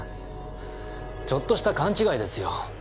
ちょっとした勘違いですよ。